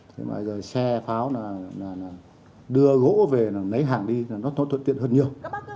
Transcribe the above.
thế mà giờ xe pháo đưa gỗ về lấy hàng đi nó thuận tiện hơn nhiều